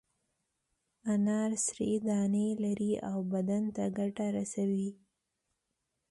انار سرې دانې لري او بدن ته ګټه رسوي.